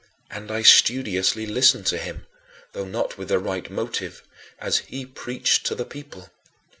And I studiously listened to him though not with the right motive as he preached to the people.